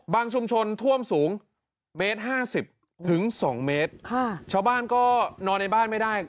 ชุมชนท่วมสูงเมตรห้าสิบถึงสองเมตรค่ะชาวบ้านก็นอนในบ้านไม่ได้